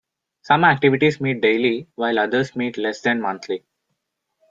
Some activities meet daily while others meet less than monthly.